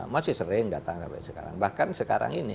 masih sering datang sampai sekarang bahkan sekarang ini